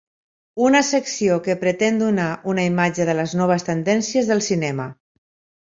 Una secció que pretén donar una imatge de les noves tendències del cinema.